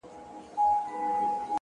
• زه سبا سبا کومه لا منلي مي وعدې دي ,